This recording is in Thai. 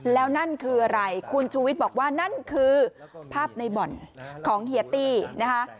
แล้วนั่นคืออะไรคุณชูวิทย์บอกว่านั่นคือภาพในบ่อนของเฮียตี้นะคะ